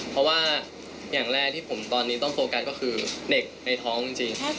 เพราะว่าอย่างแรกที่ผมตอนนี้ต้องโฟกัสก็คือเด็กในท้องจริง